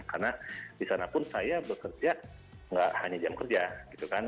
karena di sana pun saya bekerja tidak hanya jam kerja gitu kan